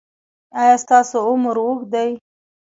ایا ستاسو عمر اوږد دی؟